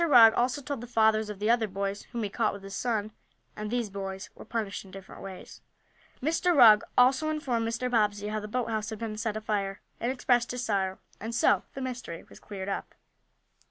Rugg also told the fathers of the other boys whom he caught with his son, and these boys were punished in different ways. Mr. Rugg also informed Mr. Bobbsey how the boathouse had been set afire, and expressed his sorrow. And so the mystery was cleared up.